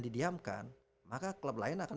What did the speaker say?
didiamkan maka klub lain akan